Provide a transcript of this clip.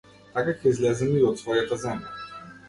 Така ќе излеземе и од својата земја.